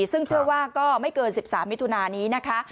ซึ่งเชื่อว่าก็ไม่เกิน๑๓มิถุนานี้นะคะ